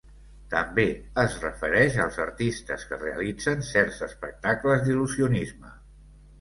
També es referix als artistes que realitzen certs espectacles d'il·lusionisme.